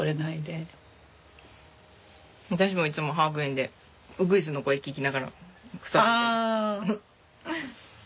私もいつもハーブ園でウグイスの声聞きながら草取りやってます。